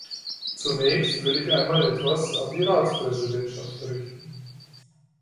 Zunächst will ich einmal etwas an die Ratspräsidentschaft richten.